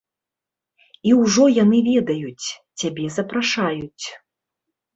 І ўжо яны ведаюць, цябе запрашаюць.